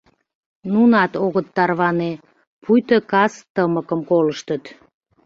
Нунат огыт тарване, пуйто кас тымыкым колыштыт.